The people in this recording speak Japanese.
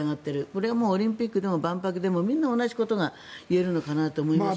これはオリンピックでも万博でもみんな同じことが言えるのかなと思いますね。